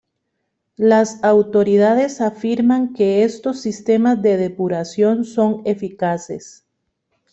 Las autoridades afirman que estos sistemas de depuración son eficaces.